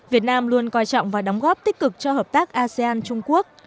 việt nam luôn coi trọng và đóng góp tích cực cho hợp tác asean trung quốc